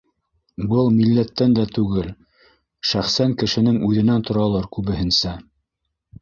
Был милләттән дә түгел, шәхсән кешенең үҙенән торалыр күбеһенсә.